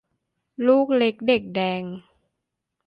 ลูกเล็กเด็กแดง